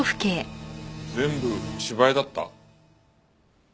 全部芝居だった？